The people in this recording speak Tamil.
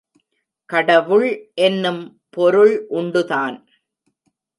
கடவுள் என்னும் பொருள் உண்டுதான்!